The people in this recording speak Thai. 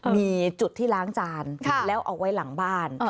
มีจุดที่ล้างจานแล้วเอาไว้หลังบ้าน